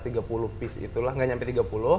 iya sekitar tiga puluh piece itulah tidak sampai tiga puluh